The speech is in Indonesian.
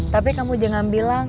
tapi kamu jangan bilang